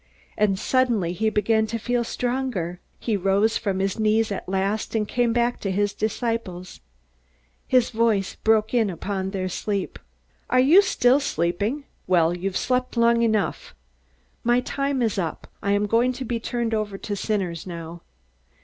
And suddenly he began to feel stronger. He rose from his knees at last, and came back to the disciples. His voice broke in upon their sleep: "Are you still sleeping? Well, you've slept long enough! My time is up. I am going to be turned over to sinners now!